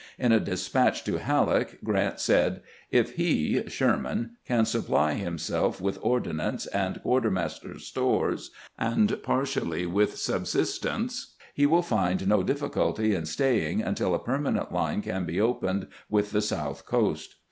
In a despatch to Halleck Grant said :" If he [Sherman] can supply himself with ordnance and quartermaster's stores, and partially with subsistence, he wiU find no difficulty in staying until a permanent line can be opened with the south coast."